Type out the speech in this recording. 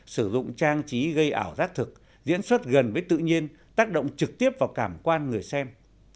sử dụng trang trí gây ảo giác thực diễn xuất gần với tự nhiên tác động trực tiếp vào cảm quan người xem